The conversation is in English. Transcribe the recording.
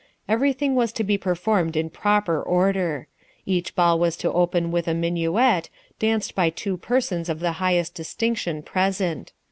Every thing was to be performed in proper order. Each ball was to open with a minuet, danced by two persons of the highest distinction present.